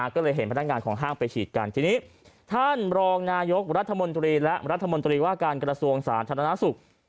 ก็เลยเห็นพนักงานของห้างไปฉีดกันทีนี้ท่านรองนายกรัฐมนตรีและรัฐมนตรีว่าการกระทรวงสาธารณสุข